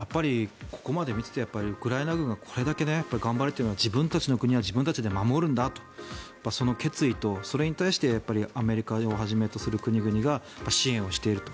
やっぱりここまで見ていてウクライナ軍がこれだけ頑張れているのは自分たちの国は自分たちで守るんだとその決意とそれに対してアメリカをはじめとする国々が支援をしていると。